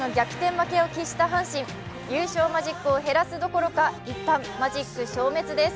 負けを喫した阪神、優勝マジックを減らすどころか一旦、マジック消滅です。